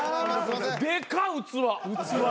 でかっ器。